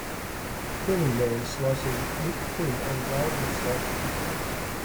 Deli man slicing meat thin and weighing the sliced pieces.